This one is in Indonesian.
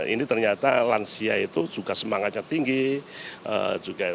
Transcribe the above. ini ternyata lansia itu juga semangatnya tinggi